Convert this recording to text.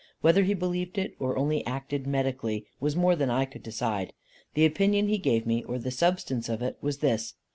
Whether he believed it, or only acted medically, was more than I could decide. The opinion he gave me, or the substance of it, was this.